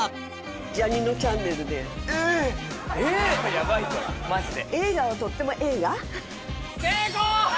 ヤバいぞマジで。